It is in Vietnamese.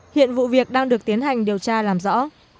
hiện vụ việc đang được tiến hành điều tra làm rõ